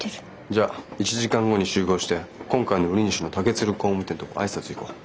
じゃあ１時間後に集合して今回の売り主の竹鶴工務店とこ挨拶行こう。